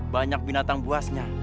banyak binatang buasnya